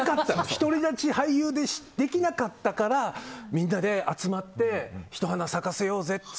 独り立ちを俳優でできなかったからみんなで集まってひと花咲かせようぜって。